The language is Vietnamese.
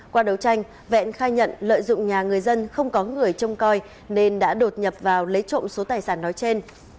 qua đấu tranh vẹn khai nhận lợi dụng nhà người dân không có người trông coi nên đã đột nhập vào lấy trộm số tài sản nói trên